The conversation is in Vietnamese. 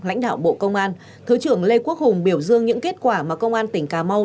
lãnh đạo bộ công an thứ trưởng lê quốc hùng biểu dương những kết quả mà công an tỉnh cà mau